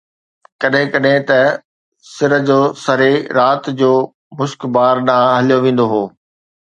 ڪڏهن ڪڏهن ته سُر جو سري رات جو مشڪبار ڏانهن هليو ويندو هو